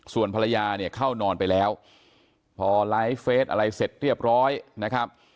ส่วนภรรยาเนี่ยเข้านอนไปแล้วพอไลฟ์เฟสอะไรเสร็จเรียบร้อยนะครับ